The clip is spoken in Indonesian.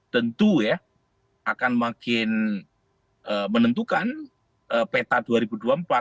tentu ya akan makin menentukan peta dua ribu dua puluh empat